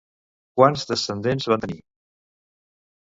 Quants descendents van tenir?